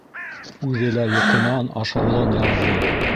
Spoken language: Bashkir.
Үҙе лә йоҡонан, ашауҙан яҙҙы.